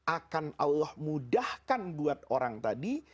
akan allah mudahkan buat orang tadi